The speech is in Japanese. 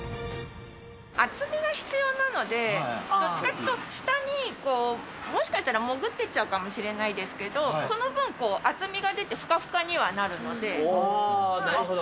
厚みが必要なので、どっちかっていうと、下にもしかしたら潜っていっちゃうかもしれないですけれども、その分厚みが出て、なるほど。